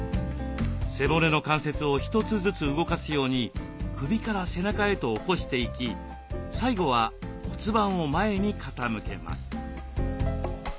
背骨の関節を一つずつ動かすように首から背中へと起こしていき最後は骨盤を前に傾けます。